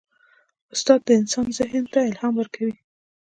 استاد د انسان ذهن ته الهام ورکوي.